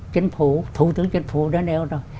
chính phủ thủ tướng chính phủ đã nêu ra